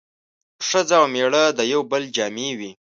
ښځه او مېړه د يو بل جامې وي